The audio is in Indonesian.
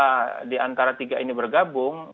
nah kalau dua di antara tiga ini bergabung maka